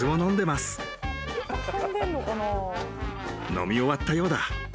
［飲み終わったようだ］